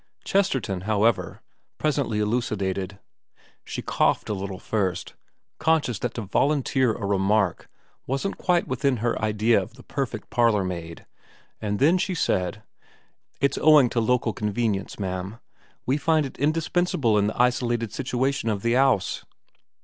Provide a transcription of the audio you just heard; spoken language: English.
Chesterton, however, presently elucidated. She coughed a little first, conscious that to volunteer a remark wasn't quite within her idea of the perfect parlourmaid, and then she said, ' It's owing to local convenience, ma'am. We find it indispensable in the isolated situation of the 'ouse.